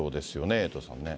エイトさんね。